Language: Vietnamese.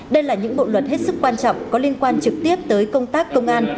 đây là những bộ luật hết sức quan trọng có liên quan trực tiếp tới công tác công an